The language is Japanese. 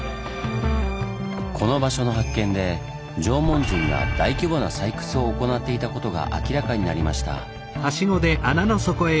この場所の発見で縄文人が大規模な採掘を行っていたことが明らかになりました。